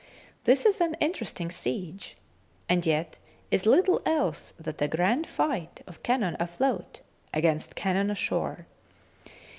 This is an inter esting siege, and yet is little else than a grand fight of cannon afloat against cannon ashore.